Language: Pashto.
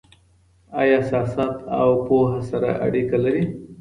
ايا سياست او پوهه سره اړيکه لري؟